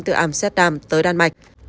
từ amsterdam tới đan mạch